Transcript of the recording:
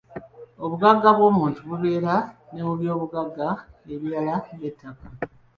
Obugagga bw’omuntu bubeera ne mu by’obugagga ebirala ng’ettaka.